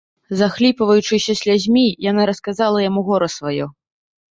Захліпваючыся слязьмі, яна расказала яму гора сваё.